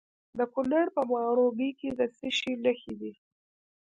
د کونړ په ماڼوګي کې د څه شي نښې دي؟